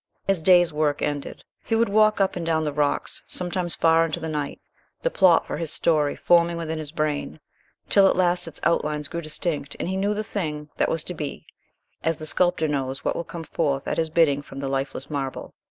His day's work ended, he would walk up and down the rocks, sometimes far into the night, the plot for this story forming within his brain, till at last its outlines grew distinct and he knew the thing that was to be, as the sculptor knows what will come forth at his bidding from the lifeless marble.